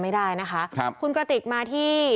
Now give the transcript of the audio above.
เมื่อนั้นลืมโอเคออกเช้าตา